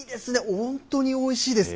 本当においしいです。